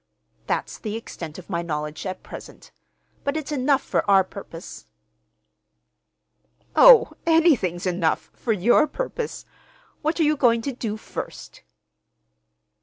That's the extent of my knowledge, at present. But it's enough for our purpose." "Oh, anything's enough—for your purpose! What are you going to do first?"